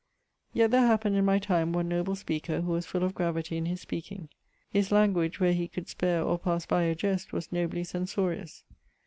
Yet there happened in my time one noble speaker[XII.] who was full of gravity in his speaking. His language (where he could spare or passe by a jest) was nobly censorious.